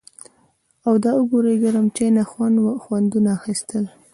او د ګوړې ګرم چای نه خوندونه اخيستل